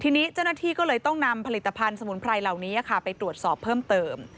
ทีนี้เจ้าหน้าที่ก็เลยต้องนำผลิตภัณฑ์สมุนไพรเหล่านี้ไปตรวจสอบเพิ่มเติม